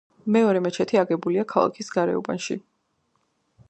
მეორე მეჩეთი აგებულია ქალაქის გარეუბანში.